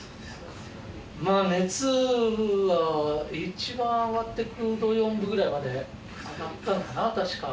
熱は一番上がって９度４分ぐらいまで上がったのかな